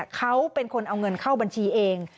เขาเป็นคนเอาเงินเข้าบัญชีเอง